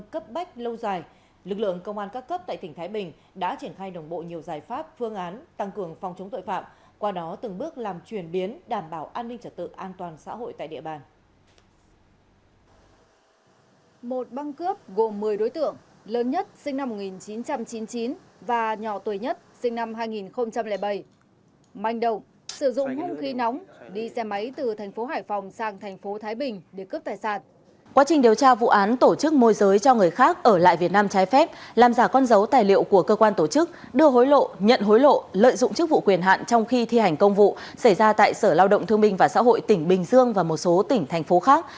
con dấu tài liệu của cơ quan tổ chức đưa hối lộ nhận hối lộ lợi dụng chức vụ quyền hạn trong khi thi hành công vụ xảy ra tại sở lao động thương minh và xã hội tỉnh bình dương và một số tỉnh thành phố khác